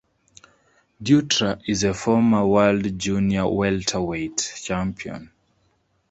Dutra is a former world Junior Welterweight champion.